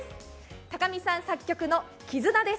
高見さん作曲の「絆」です。